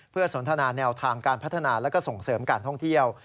เพื่อสนทนาแนวทางการพัฒนาและส่งเสริมการท่องเที่ยว